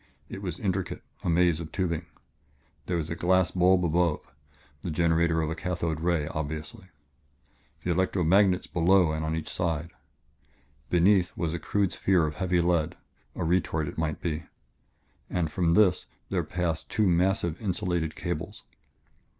It was intricate a maze of tubing. There was a glass bulb above the generator of a cathode ray, obviously and electro magnets below and on each side. Beneath was a crude sphere of heavy lead a retort, it might be and from this there passed two massive, insulated cables.